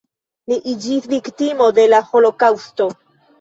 Li iĝis viktimo de la holokaŭsto.